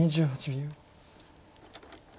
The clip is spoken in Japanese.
２８秒。